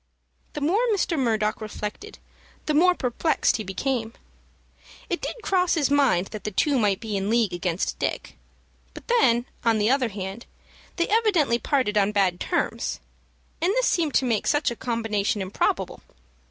The more Mr. Murdock reflected, the more perplexed he became. It did cross his mind that the two might be in league against Dick; but then, on the other hand, they evidently parted on bad terms, and this seemed to make such a combination improbable.